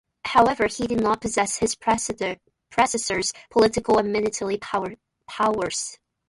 However, he did not possess his predecessor's political and military prowess.